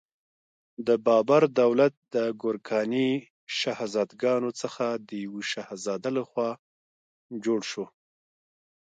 د بابر دولت د ګورکاني شهزادګانو څخه د یوه شهزاده لخوا جوړ شو.